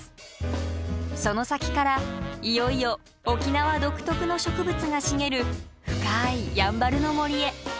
その先からいよいよ沖縄独特の植物が茂る深いやんばるの森へ。